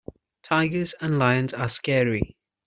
Tigers and lions are scary.